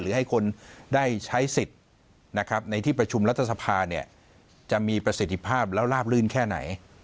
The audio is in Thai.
ให้คนได้ใช้สิทธิ์ในที่ประชุมรัฐสภาจะมีประสิทธิภาพแล้วลาบลื่นแค่ไหน